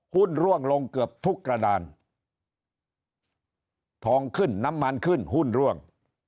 ร่วงลงเกือบทุกกระดานทองขึ้นน้ำมันขึ้นหุ้นร่วง